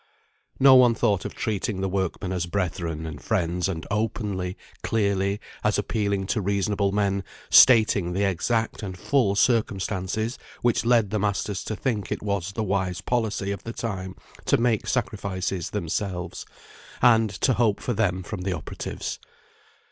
No one thought of treating the workmen as brethren and friends, and openly, clearly, as appealing to reasonable men, stating the exact and full circumstances which led the masters to think it was the wise policy of the time to make sacrifices themselves, and to hope for them from the operatives.